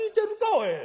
おい。